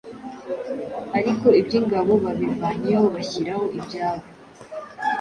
ariko iby'ingabo babivanyeho bashyiraho ibyabo.